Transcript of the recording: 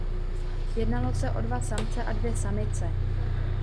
Jednalo se o dva samce a dvě samice.